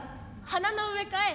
花の植え替え